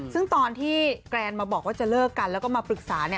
ซึ่งตอนที่แกรนมาบอกว่าจะเลิกกันแล้วก็มาปรึกษา